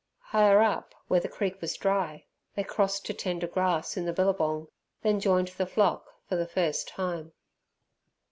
Higher up, where the creek was dry, they crossed to tender grass in the billabong, then joined the flock for the first time.